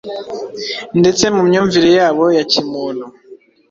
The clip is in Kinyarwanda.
ndetse mu myumvire yabo ya kimuntu,